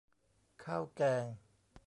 ข้าวแกง